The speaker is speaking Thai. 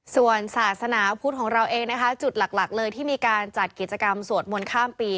ส่วนศาสนาพุทธของเราเองนะคะจุดหลักเลยที่มีการจัดกิจกรรมสวดมนต์ข้ามปี